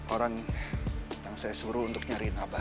orang yang saya suruh untuk nyariin apa